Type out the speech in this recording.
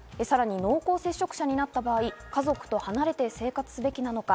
濃厚接触者になった場合、家族と離れて生活すべきなのか？